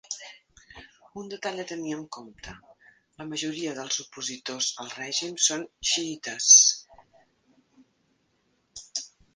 Un detall a tenir en compte: la majoria dels opositors al règim són xiïtes.